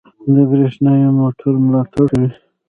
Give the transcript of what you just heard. د بریښنايي موټرو ملاتړ کوي.